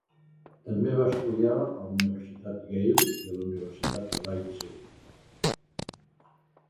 També va estudiar a la Universitat Yale i a la Universitat de Leipzig.